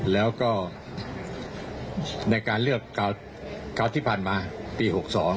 แล้วก็ในการเลือกคราวที่ผ่านมาปี๖๒